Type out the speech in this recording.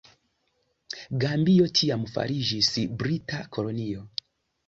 Gambio tiam fariĝis brita kolonio.